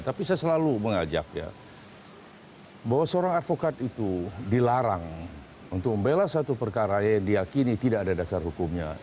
tapi saya selalu mengajak ya bahwa seorang advokat itu dilarang untuk membela satu perkara yang diakini tidak ada dasar hukumnya